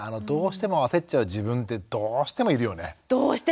どうしても焦っちゃう自分ってどうしてもいるよね？